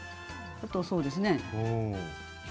あとそうですね。